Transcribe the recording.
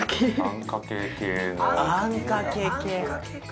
あんかけは。